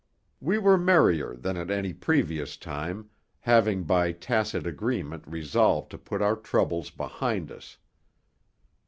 We were merrier than at any previous time, having by tacit agreement resolved to put our troubles behind us.